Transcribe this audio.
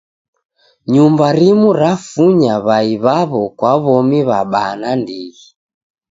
Nyumba rimu rafunya w'ai w'awo kwa w'omi w'abaa nandighi.